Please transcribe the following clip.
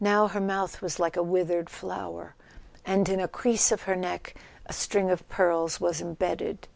Now her mouth was like a withered flower, and in a crease of her neck a string of pearls was embedded.